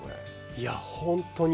いや、本当に。